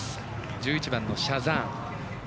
１１番シャザーン。